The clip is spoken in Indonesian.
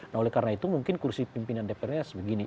nah oleh karena itu mungkin kursi pimpinan dpr nya begini